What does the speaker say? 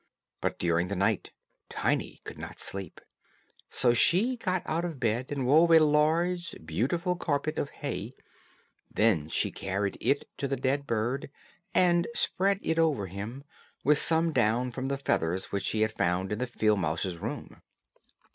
But during the night Tiny could not sleep; so she got out of bed and wove a large, beautiful carpet of hay; then she carried it to the dead bird, and spread it over him; with some down from the flowers which she had found in the field mouse's room.